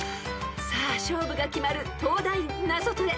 ［さあ勝負が決まる東大ナゾトレ］